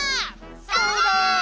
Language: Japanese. そうだ！